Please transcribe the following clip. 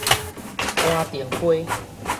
官田溪